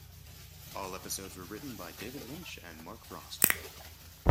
All episodes were written by David Lynch and Mark Frost.